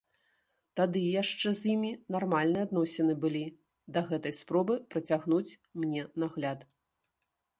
Тады яшчэ з імі нармальныя адносіны былі, да гэтай спробы працягнуць мне нагляд.